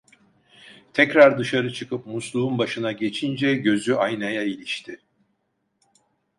Tekrar dışarı çıkıp musluğun başına geçince gözü aynaya ilişti.